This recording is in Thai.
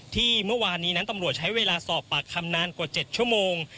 ที่เมื่อวานนี้นั้นตำรวจใช้เวลาสอบปากคำนานกว่า๗ชั่วโมง